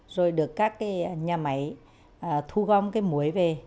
rồi được các nhà máy thu gom cái mối về